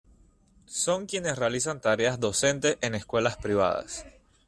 Son quienes realizan tareas docentes en escuelas privadas.